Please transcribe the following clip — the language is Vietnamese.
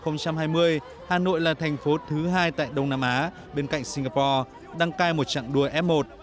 năm hai nghìn hai mươi hà nội là thành phố thứ hai tại đông nam á bên cạnh singapore đăng cai một trạng đua f một